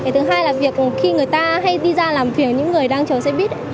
thứ hai là việc khi người ta hay đi ra làm việc những người đang chờ xe buýt